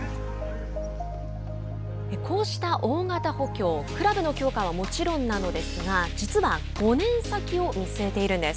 こうした大型補強クラブの強化はもちろんなのですが実は５年先を見据えているんです。